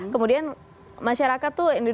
kemudian masyarakat itu